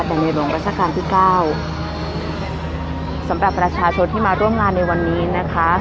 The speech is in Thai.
แต่ในหลวงราชการที่เก้าสำหรับประชาชนที่มาร่วมงานในวันนี้นะคะ